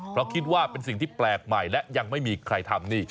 เพราะคิดว่าเป็นสิ่งที่แปลกใหม่และยังไม่มีใครทำนี่